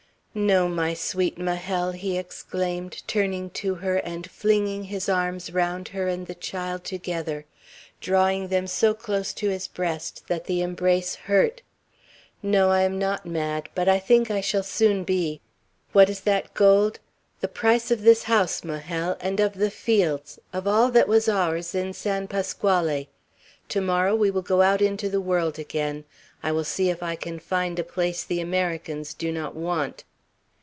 "No, my sweet Majel," he exclaimed, turning to her, and flinging his arms round her and the child together, drawing them so close to his breast that the embrace hurt, "no, I am not mad; but I think I shall soon be! What is that gold? The price of this house, Majel, and of the fields, of all that was ours in San Pasquale! To morrow we will go out into the world again. I will see if I can find a place the Americans do not want!"